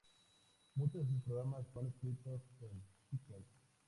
Muchos de sus programas son escritos en Chicken.